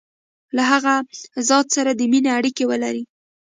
له هغه ذات سره د مینې اړیکي ولري.